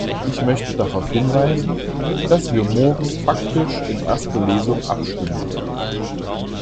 Ich möchte darauf hinweisen, dass wir morgen faktisch in erster Lesung abstimmen.